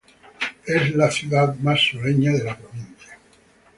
Es la ciudad más sureña de la provincia.